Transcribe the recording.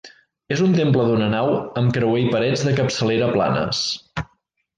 És un temple d'una nau amb creuer i parets de capçalera planes.